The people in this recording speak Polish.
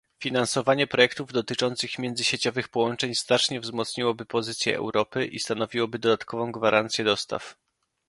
Finansowanie projektów dotyczących międzysieciowych połączeń znacznie wzmocniłoby pozycję Europy i stanowiłoby dodatkową gwarancję dostaw